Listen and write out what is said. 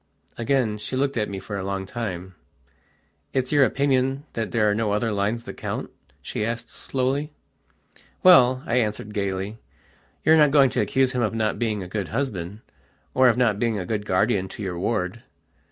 Again she looked at me for a long time. "It's your opinion that there are no other lines that count?" she asked slowly. "Well," I answered gaily, "you're not going to accuse him of not being a good husband, or of not being a good guardian to your ward?"